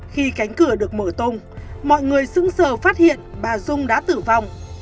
khi cánh cửa được mở tung mọi người sững sờ phát hiện bà dung đã tử vong